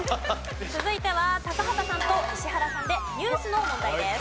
続いては高畑さんと石原さんでニュースの問題です。